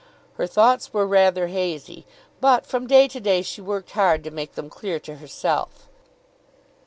Her thoughts were rather hazy, but from day to day she worked hard to make them clear to herself.